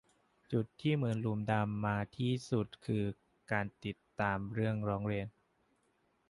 จุดที่เป็นเหมือนหลุมดำมาที่สุดคือ การติดตามเรื่องร้องเรียน